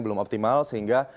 belum optimal sehingga